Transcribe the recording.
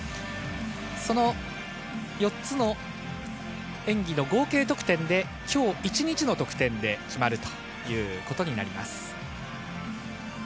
その４つの演技の合計得点で今日１日の得点で決まるということになります。